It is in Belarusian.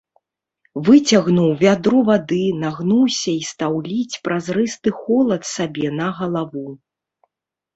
Выцягнуў вядро вады, нагнуўся і стаў ліць празрысты холад сабе на галаву.